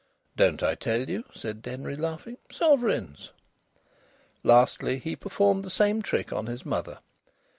"Don't I tell you?" said Denry, laughing. "Sovereigns!" Lastly, he performed the same trick on his mother.